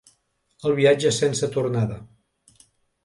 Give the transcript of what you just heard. El viatge sense tornada.